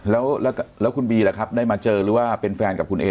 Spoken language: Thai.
แล้วคุณบีล่ะครับได้มาเจอหรือว่าเป็นแฟนกับคุณเอ